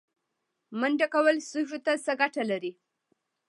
منډه کول سږو ته څه ګټه لري؟